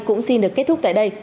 cũng xin được kết thúc tại đây